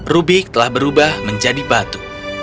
rubik telah berubah menjadi batu